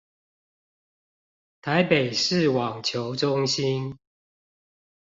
臺北市網球中心